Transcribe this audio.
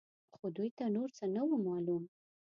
خو دوی ته نور څه نه وو معلوم.